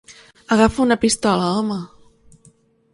Agafa una pistola, home.